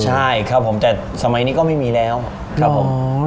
ใช่ครับผมแต่สมัยนี้ก็ไม่มีแล้วครับผม